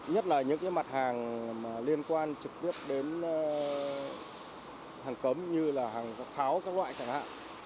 nhất là những mặt hàng liên quan trực tiếp đến hàng cấm như là pháo các loại chẳng hạn